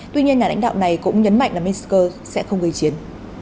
tuy nhiên nhà lãnh đạo này cũng nhấn mạnh là minsk sẽ không gây chiến